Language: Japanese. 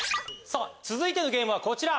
続いてのゲームはこちら。